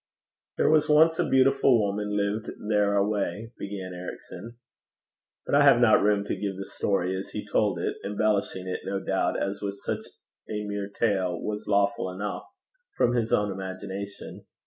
'There was once a beautiful woman lived there away,' began Ericson. But I have not room to give the story as he told it, embellishing it, no doubt, as with such a mere tale was lawful enough, from his own imagination.